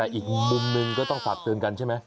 แต่อีกมึงก็ต้องฝากเยินฯกันใช่มั้ย